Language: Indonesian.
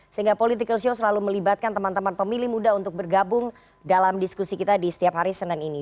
sehingga political show selalu melibatkan teman teman pemilih muda untuk bergabung dalam diskusi kita di setiap hari senin ini